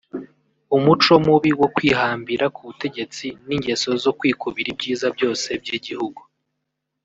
umuco mubi wo kwihambira ku butegetsi n’ingeso yo kwikubira ibyiza byose by’igihugu